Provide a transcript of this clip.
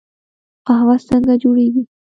قهوه څنګه جوړیږي؟